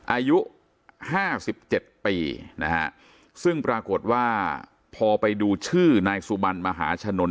อายุห้าสิบเจ็ดปีนะฮะซึ่งปรากฏว่าพอไปดูชื่อนายสุบันมหาชนน